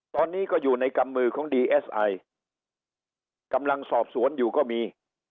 ตอนนี้ก็อยู่ในกำมือของดีเอสไอกำลังสอบสวนอยู่ก็มี